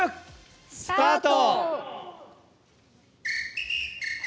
スタート！